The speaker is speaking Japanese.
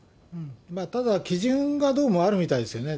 ただ、基準がどうもあるみたいですよね。